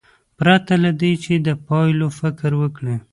پرته له دې چې د پایلو فکر وکړي.